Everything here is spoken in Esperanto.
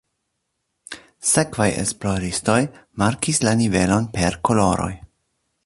Sekvaj esploristoj markis la nivelojn per koloroj.